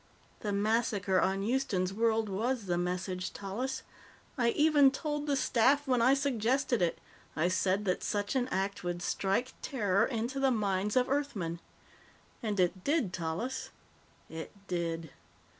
"The massacre on Houston's World was the message, Tallis. I even told the Staff, when I suggested it. I said that such an act would strike terror into the minds of Earthmen. "And it did, Tallis; it did.